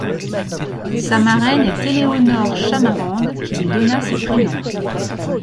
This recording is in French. Sa marraine est Eléonore Chamarande qui lui donna ses prénoms.